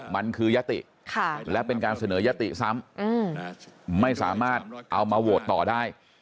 มันคือยติและเป็นการเสนอยติซ้ำไม่สามารถเอามาโหวตต่อได้